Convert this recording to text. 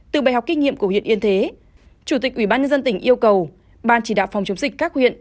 từ bài học kinh nghiệm của huyện yên thế chủ tịch ubnd tỉnh yêu cầu ban chỉ đạo phòng chống dịch các huyện